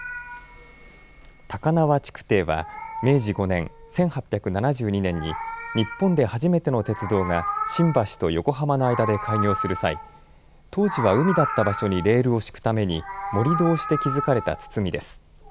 高輪築堤は、明治５年１８７２年に日本で初めての鉄道が新橋と横浜の間で開業する際、当時は海だった場所にレールを敷くために盛り土をして築かれた堤です。